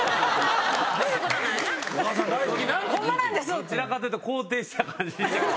どちらかというと肯定した感じ。